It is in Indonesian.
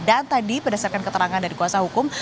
dan tadi berdasarkan keterangan dari kuasa hukum